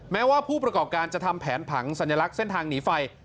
แม้ว่าผู้ประกอบการจะทำแผนผังสัญลักษณ์เส้นทางหนีไฟ